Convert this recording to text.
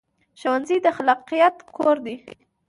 ښوونځی د خلاقیت کور دی